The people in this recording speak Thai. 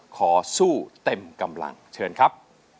ขอสู้เต็มกำลังเชิญครับ